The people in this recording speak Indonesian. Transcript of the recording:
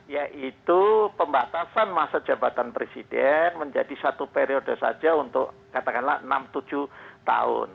yaitu pembatasan masa jabatan presiden menjadi satu periode saja untuk katakanlah enam tujuh tahun